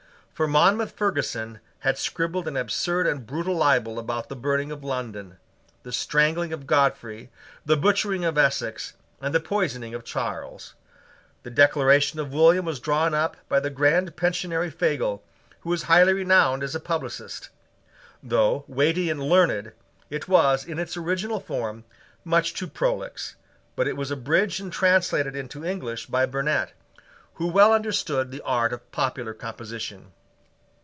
For Monmouth Ferguson had scribbled an absurd and brutal libel about the burning of London, the strangling of Godfrey, the butchering of Essex, and the poisoning of Charles. The Declaration of William was drawn up by the Grand Pensionary Fagel, who was highly renowned as a publicist. Though weighty and learned, it was, in its original form, much too prolix: but it was abridged and translated into English by Burnet, who well understood the art of popular composition.